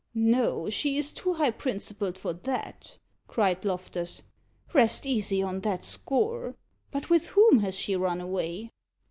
"No, she is too high principled for that," cried Loftus. "Rest easy on that score. But with whom has she run away?"